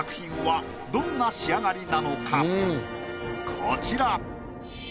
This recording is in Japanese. こちら。